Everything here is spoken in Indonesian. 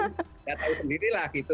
tidak tahu sendirilah gitu